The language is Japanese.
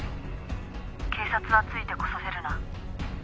「警察はついてこさせるな」